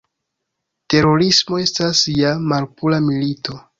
Terorismo estas ja malpura "milito".